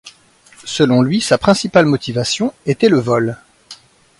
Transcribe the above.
Selon lui, sa principale motivation était le vol.